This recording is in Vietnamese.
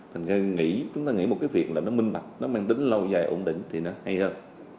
thành gần nghĩ chúng ta nghĩ một cái việc là nó minh bạch nó mang tính lâu dài ổn định thì nó hay hơn